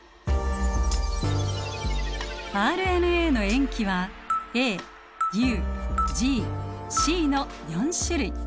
ＲＮＡの塩基はＡＵＧＣの４種類。